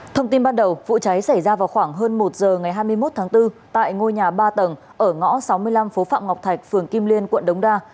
thông tin ban đầu vụ cháy xảy ra vào khoảng hơn một giờ ngày hai mươi một tháng bốn tại ngôi nhà ba tầng ở ngõ sáu mươi năm phố phạm ngọc thạch phường kim liên quận đống đa